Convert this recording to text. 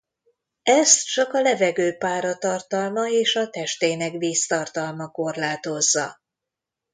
Ezt csak a levegő páratartalma és a testének víztartalma korlátozza.